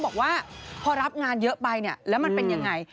บอกว่าพอรับงานเยอะไปแล้วมันเป็นอย่างไร